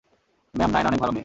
Ma'am, Naina অনেক ভালো মেয়ে।